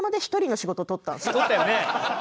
取ったよね。